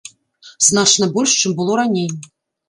Значна больш, чым было раней.